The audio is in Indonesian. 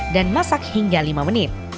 dan masak hingga lima menit